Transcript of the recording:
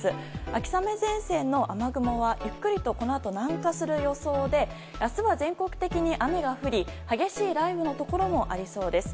秋雨前線の雨雲は、ゆっくりとこのあと南下する予想で明日は全国的に雨が降り激しい雷雨のところもありそうです。